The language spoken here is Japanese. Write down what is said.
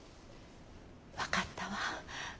分かったわ。